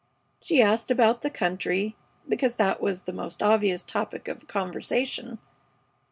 She asked about the country, because that was the most obvious topic of conversation.